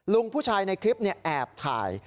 ลุงผู้ชายในคลิปเนี่ยแอบถ่าย